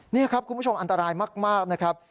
นี่ครับคุณผู้ชมอันตรายมากนะครับ